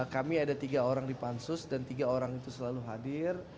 kami ada tiga orang di pansus dan tiga orang itu selalu hadir